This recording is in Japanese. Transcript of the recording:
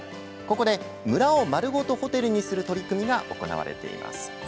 ここで村を丸ごとホテルにする取り組みが行われています。